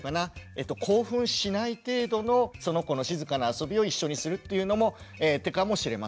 興奮しない程度のその子の静かな遊びを一緒にするっていうのも手かもしれません。